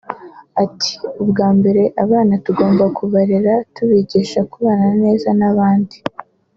Ati “ Ubwa mbere abana tugomba kubarera tubigisha kubana neza n’abandi